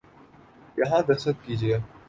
یہاں دستخط کیجئے